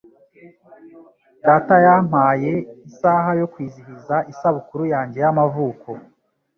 Data yampaye isaha yo kwizihiza isabukuru yanjye y'amavuko.